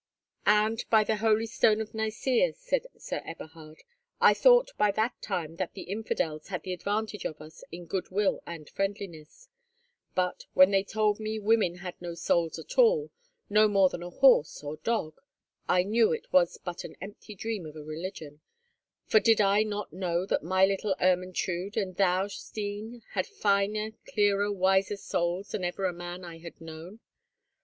"And, by the holy stone of Nicæa," said Sir Eberhard, "I thought by that time that the infidels had the advantage of us in good will and friendliness; but, when they told me women had no souls at all, no more than a horse or dog, I knew it was but an empty dream of a religion; for did I not know that my little Ermentrude, and thou, Stine, had finer, clearer, wiser souls than ever a man I had known?